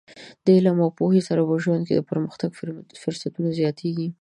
د علم او پوهې سره په ژوند کې د پرمختګ فرصتونه زیاتېږي.